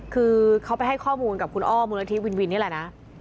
คือเขาไปให้ข้อมูลกับคุณอ้อมูลนิธิวินวินนี่แหละนะ